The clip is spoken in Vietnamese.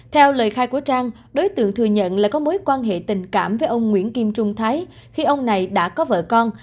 theo lời khai của trang đối tượng thừa nhận lại có mối quan hệ tình cảm với ông nguyễn kim trung thái khi ông này đã có vợ con